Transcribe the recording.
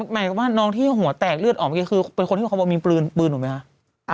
หมายความว่าน้องที่หัวแตกเลือดออกเมื่อกี้คือเป็นคนที่เขาบอกมีปืนปืนถูกไหมคะ